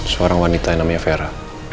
seorang wanita yang namanya vera